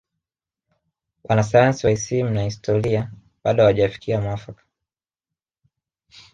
wanasayansi wa isimu na historia bado hawajafikia mwafaka